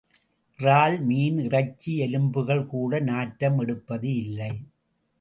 இறால் மீன் இறைச்சி எலும்புகள் கூட நாற்றம் எடுப்பது இல்லை.